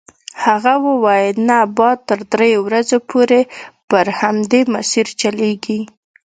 هغه وویل نه باد تر دریو ورځو پورې پر همدې مسیر چلیږي.